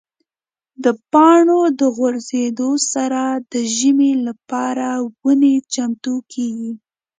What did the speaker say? د پاڼو د غورځېدو سره د ژمي لپاره ونې چمتو کېږي.